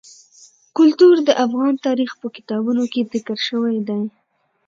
کلتور د افغان تاریخ په کتابونو کې ذکر شوی دي.